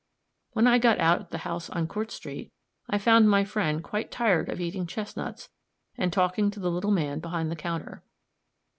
When I got out at the house on Court street, I found my friend quite tired of eating chestnuts and talking to the little man behind the counter.